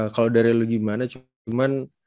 kalau dari lu gimana cuman